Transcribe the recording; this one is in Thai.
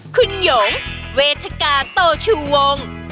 คุณหยงเวทกาโตชูวง